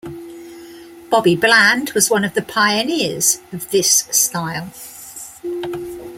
Bobby Bland was one of the pioneers of this style.